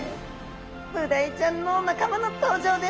ブダイちゃんの仲間の登場です。